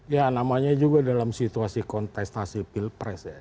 ya namanya juga dalam situasi kontestasi pilpres ya